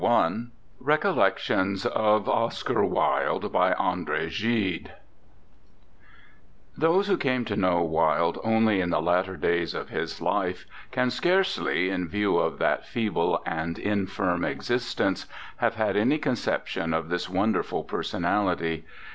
23 RECOLLECTIONS OF OSCAR WILDE BY ANDRE GIDE RECOLLECTIONS THOSE who came to know Wilde only in the latter years of his life can scarcely, in view of that feeble and infirm existence, have had any concep tion of this wonderful personality.